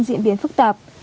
diễn biến phức tạp